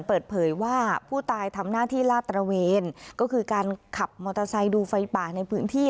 เปิดเผยว่าผู้ตายทำหน้าที่ลาดตระเวนก็คือการขับมอเตอร์ไซค์ดูไฟป่าในพื้นที่